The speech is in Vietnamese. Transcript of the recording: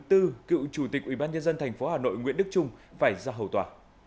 tư cựu chủ tịch ủy ban nhân dân thành phố hà nội nguyễn đức trung phải ra hầu tòa